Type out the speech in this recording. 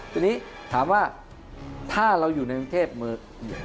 ทีนี้ถามว่าถ้าเราอยู่ในกรุงเทพมือ